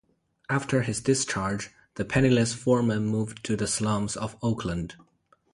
After his discharge the penniless Forman moved to the slums of Oakland.